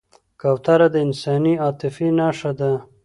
کوتره د انساني عاطفې نښه ده.